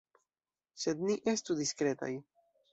Sed ni estu diskretaj.